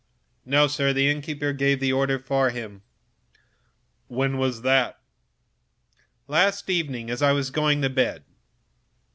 "No, sir; the innkeeper gave me the order from him." "When?" "Last evening, just as I was going to bed."